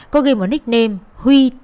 có ghi một nickname huy tn